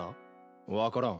分からん。